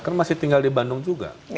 kan masih tinggal di bandung juga